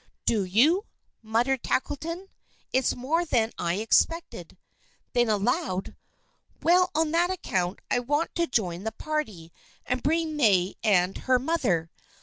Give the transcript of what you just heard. "Do you?" muttered Tackleton. "It's more than I expected." Then aloud: "Well, on that account I want to join the party, and bring May and her mother.